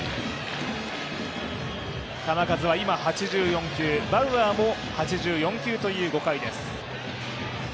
球数は今８４球、バウアーも８４球という５回です。